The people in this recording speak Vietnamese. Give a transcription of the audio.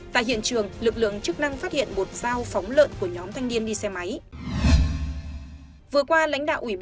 tại hiện trường lực lượng chức năng phát hiện một dao phóng lợn của nhóm thanh niên đi xe máy